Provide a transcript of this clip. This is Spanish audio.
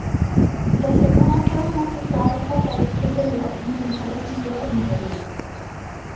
Se asegura que durante todas las batallas que peleó, nunca recibió una herida.